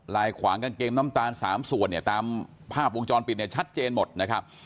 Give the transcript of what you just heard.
ลายขวางกางเกงน้ำตาล๓ส่วนตามภาพวงจรปิดชัดเจนหมดนะครับ